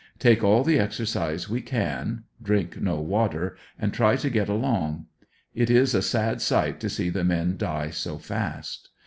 Take all the exercise we can, drink no water, and try to get along. It is a sad sight to see the men die so fast.